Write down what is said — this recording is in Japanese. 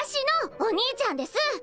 お兄ちゃんです！